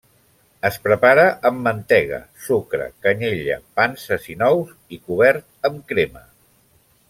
Es prepara amb mantega, sucre, canyella, panses i nous i cobert amb crema.